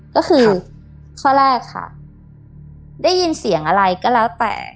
ก็คือข้อแรกค่ะได้ยินเสียงอะไรก็แล้วแต่